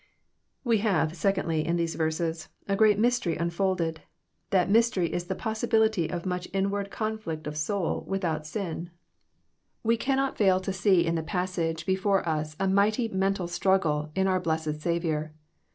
We have, secondly, in these verses, a great mystery unfolded. Thdt mystery is the possibility of much inward conflict of soul without sin. JOHN, CHAP. XII. 343 We cannot fail to see in the passage oefore us a migbty mental struggle in our blessed Saviour.